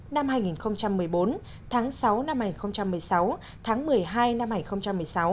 năm hai nghìn một mươi bốn tháng sáu năm hai nghìn một mươi sáu tháng một mươi hai năm hai nghìn một mươi sáu